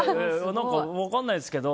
分からないですけど